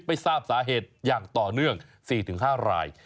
ไม่ทราบสาเหตุอย่างต่อเนื่อง๔๕ราย